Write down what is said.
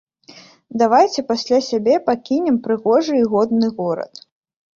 Давайце пасля сябе пакінем прыгожы і годны горад.